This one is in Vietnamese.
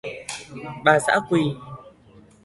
Bà dã Quỳ